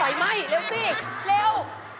ไหม้เร็วสิเร็ว